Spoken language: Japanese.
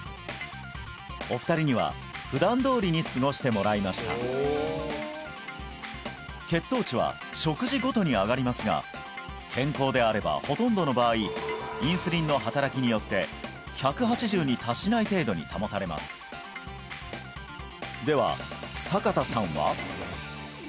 お二人には普段どおりに過ごしてもらいました血糖値は食事ごとに上がりますが健康であればほとんどの場合インスリンの働きによって１８０に達しない程度に保たれますでは坂田さんは？